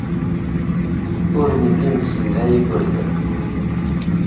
Ur nelli nessedhay igerdan.